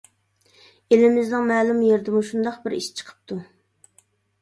ئېلىمىزنىڭ مەلۇم يېرىدىمۇ شۇنداق بىر ئىش چىقىپتۇ.